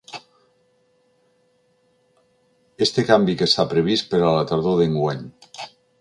Este canvi que està previst per a la tardor d’enguany.